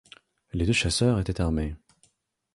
Les deux chasseurs étaient armés.